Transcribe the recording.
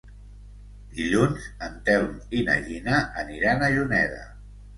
Dilluns en Telm i na Gina aniran a Juneda.